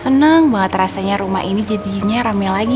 seneng banget rasanya rumah ini jdsinye ramai lagi